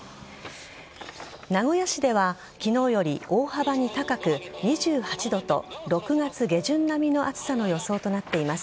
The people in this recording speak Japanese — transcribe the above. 名古屋市では昨日より大幅に高く２８度と６月下旬並みの暑さの予想となっています。